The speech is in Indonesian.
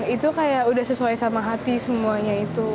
itu kayak udah sesuai sama hati semuanya itu